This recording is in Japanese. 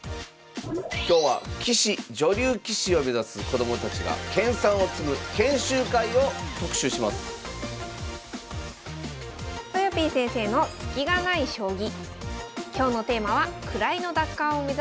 今日は棋士女流棋士を目指す子どもたちが研さんを積む研修会を特集しますとよぴー先生の「スキがない将棋」